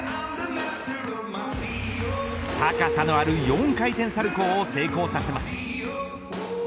高さのある４回転サルコウを成功させます